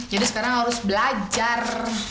jadi sekarang harus belajar